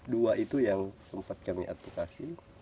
dua itu yang sempat kami advokasi